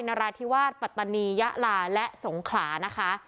นราธิวาสปัตตานียะลาและสงขลานะคะ